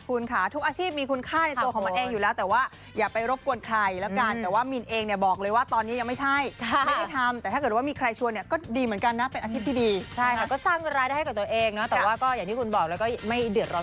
คือปัจจุบันยังไม่มีแต่อนาคตไม่แน่นะคะ